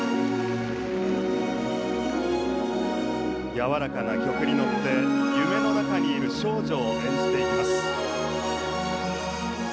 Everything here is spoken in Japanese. やわらかな曲にのって夢の中にいる少女を演じていきます。